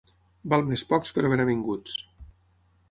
Val més pocs però ben avinguts.